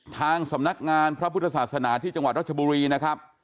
ทางสำนักงานพระพุทธศาสนาที่จังหวัดรัชบุรีนะครับ